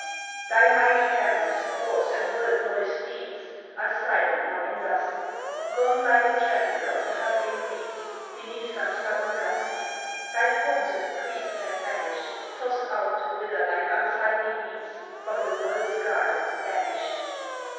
Thy mighty clamors, wars, and world noised deeds Are silent now in dust, Gone like a tremble of the huddling reeds Beneath some sudden gust; Thy forms and creeds have vanished, Tossed out to wither like unsightly weeds From the world's garden banished.